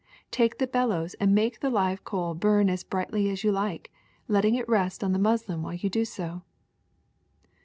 ^^Take the bellows and make the live coal burn as brightly as you like, letting it rest on the muslin while you do so."